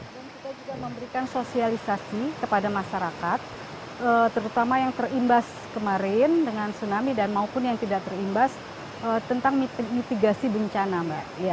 dan kita juga memberikan sosialisasi kepada masyarakat terutama yang terimbas kemarin dengan tsunami dan maupun yang tidak terimbas tentang mitigasi bencana mbak